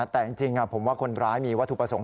แต่จริงผมว่าคนร้ายมีวัตถุประสงค